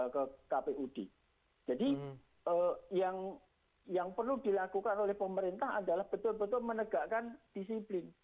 jadi yang perlu dilakukan oleh pemerintah adalah betul betul menegakkan disiplin